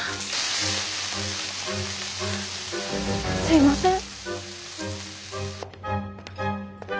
すいません。